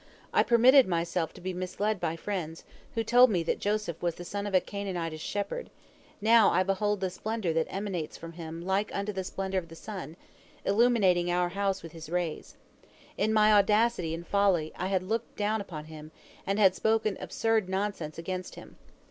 I permitted myself to be misled by friends, who told me that Joseph was the son of a Canaanitish shepherd. Now I behold the splendor that emanates from him like unto the splendor of the sun, illuminating our house with his rays. In my audacity and folly I had looked down upon him, and had spoken absurd nonsense against him.